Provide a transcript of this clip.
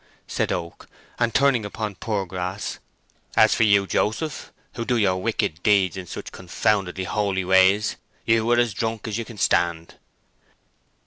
said Oak; and turning upon Poorgrass, "as for you, Joseph, who do your wicked deeds in such confoundedly holy ways, you are as drunk as you can stand."